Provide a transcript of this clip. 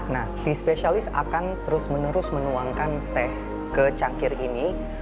nah si spesialis akan terus menerus menuangkan teh ke cangkir ini